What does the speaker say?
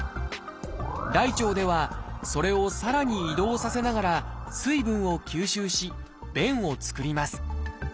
大腸ではそれをさらに移動させながら水分を吸収し便を作ります。